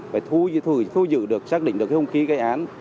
phải thu giữ được xác định được cái hông khí gây án